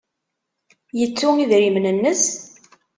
Yettu idrimen-nnes?